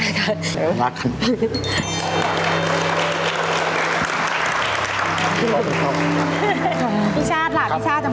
พี่ชาติล่ะพี่ชาติจะบอกอะไรไหม